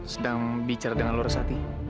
sedang bicara dengan lorosati